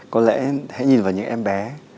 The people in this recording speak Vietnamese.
có lẽ hãy nhìn vào những em bé